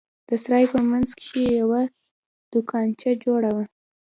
د سراى په منځ کښې يوه دوکانچه جوړه وه.